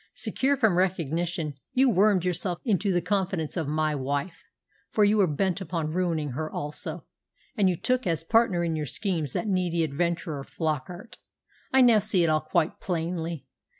"Secure from recognition, you wormed yourself into the confidence of my wife, for you were bent upon ruining her also; and you took as partner in your schemes that needy adventurer Flockart. I now see it all quite plainly.